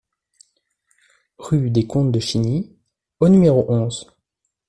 Rue des Comtes de Chiny au numéro onze